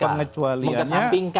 dan pengecualiannya ada tiga